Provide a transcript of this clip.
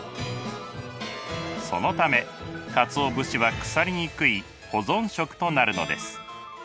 そのためかつお節は腐りにくい保存食となるのです。